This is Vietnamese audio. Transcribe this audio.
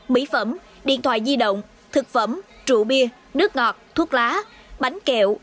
mỹ phẩm điện thoại di động thực phẩm trụ bia nước ngọt thuốc lá bánh kẹo